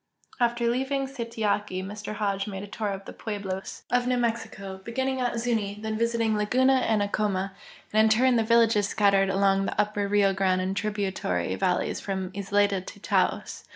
After leaA'ing Sikyatki .Mr Hodge made a tour of the pueblos 80 GEOGRAPHIC LITERATURE of New Mexico, beginning at Zuni, then visiting Laguna and Acoma, and in turn the villages scattered along the upper Rio Grande and tributar}' valleys from Isleta to Taos.